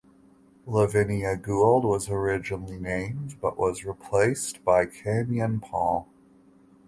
Lavinia Gould was originally named but was replaced by Kanyon Paul.